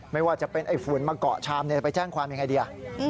ไม่ว่าจะเป็นไอ้ฝุ่นมาเกาะชามไปแจ้งความยังไงดี